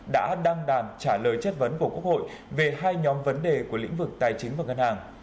đã đăng đàn trả lời chất vấn của quốc hội về hai nhóm vấn đề của lĩnh vực tài chính và ngân hàng